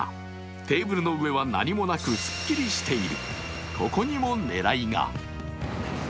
テーブルの上は何もなく、すっきりしている。